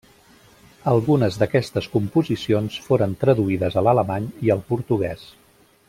Algunes d'aquestes composicions foren traduïdes a l'alemany i al portuguès.